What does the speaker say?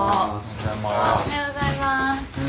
おはようございます。